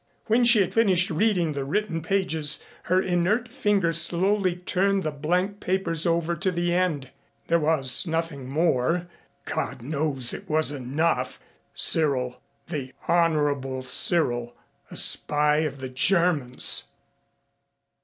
When she had finished reading the written pages, her inert fingers slowly turned the blank papers over to the end. There was nothing more. God knows it was enough! Cyril the Honorable Cyril a spy of the Germans!